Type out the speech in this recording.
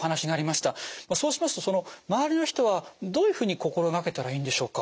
そうしますと周りの人はどういうふうに心掛けたらいいんでしょうか？